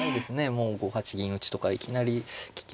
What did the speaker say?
もう５八銀打とかいきなり危険な形で。